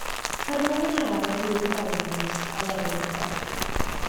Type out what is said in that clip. Cerddodd yn araf ar hyd y galeri a syllu ar y wynebau.